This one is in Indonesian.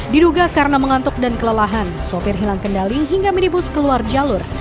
diduga karena mengantuk dan kelelahan sopir hilang kendali hingga minibus keluar jalur